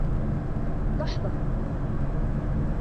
لحظة...